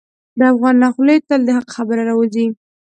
د افغان له خولې تل د حق خبره راوځي.